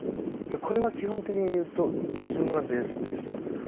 これは基本的に言うとリズムがベースです。